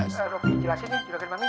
jelasin deh juragan mami